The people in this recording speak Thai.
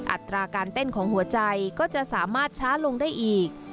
อัตราการเต้นของหัวใจก็จะสามารถช้าลงได้อีก